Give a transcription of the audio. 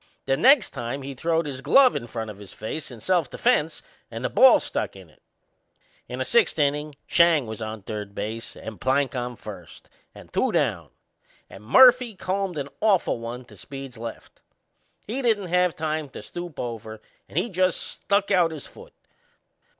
The next time he throwed his glove in front of his face in self defense and the ball stuck in it. In the sixth innin' Schang was on third base and Plank on first, and two down, and Murphy combed an awful one to Speed's left. He didn't have time to stoop over and he just stuck out his foot.